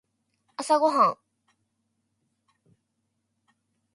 朝ごはん